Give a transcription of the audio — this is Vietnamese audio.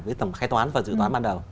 với tầm khai toán và dự toán ban đầu